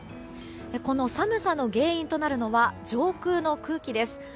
この寒さの原因となるのは上空の空気です。